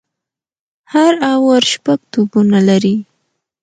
هر اوور شپږ توپونه لري.